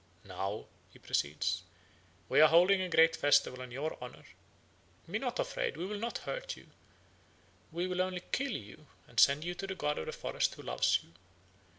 "Now," he proceeds, "we are holding a great festival in your honour. Be not afraid. We will not hurt you. We will only kill you and send you to the god of the forest who loves you.